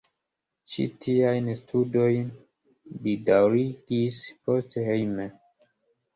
Ĉi tiajn studojn li daŭrigis poste hejme.